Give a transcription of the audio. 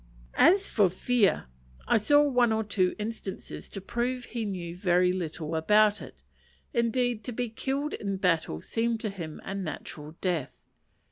As for fear, I saw one or two instances to prove he knew very little about it: indeed, to be killed in battle seemed to him a natural death.